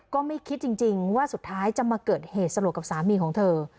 ก็ไม่คิดจริงว่าสุดท้ายจะมาเกิดเหตุสลดกับสามีของเธอ